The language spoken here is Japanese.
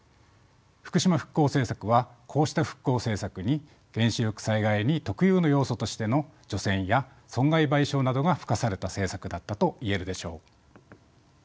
福島復興政策はこうした復興政策に原子力災害に特有の要素としての除染や損害賠償などが付加された政策だったと言えるでしょう。